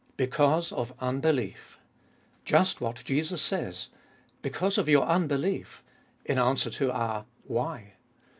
2. Because of unbelief. Just what Jesus says : Because of your unbelief, in answer to our Why?